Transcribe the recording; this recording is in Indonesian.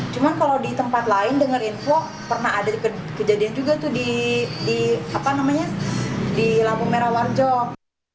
cuma kalau di tempat lain denger info pernah ada kejadian juga tuh di lampu merah warjo